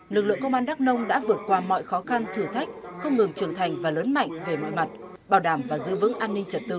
lực lượng công an đắk nông đã vượt qua mọi khó khăn thử thách không ngừng trưởng thành và lớn mạnh về mọi mặt